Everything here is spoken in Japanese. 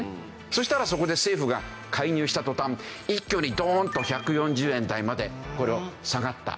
そしたらそこで政府が介入した途端一挙にドーンと１４０円台まで下がった。